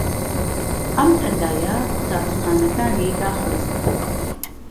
ئەم پەتایە قوتابخانەکانی داخست